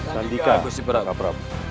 senikah raka prabu